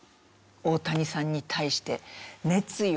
大谷さんに対して。